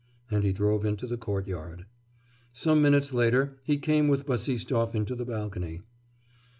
And he drove into the courtyard. Some minutes later he came with Bassistoff into the balcony.